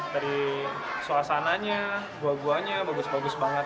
dari suasananya goa goanya bagus bagus banget